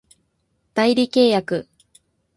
代理契約